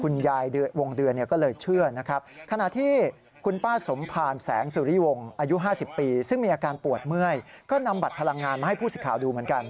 เมื่อยก็นำบัตรพลังงานมาให้ผู้สิทธิ์ข่าวดูเหมือนกัน